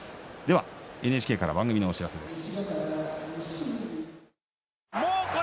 ＮＨＫから番組のお知らせです。